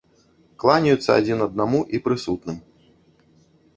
Кланяюцца адзін аднаму і прысутным.